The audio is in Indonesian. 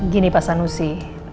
gini pak sanusi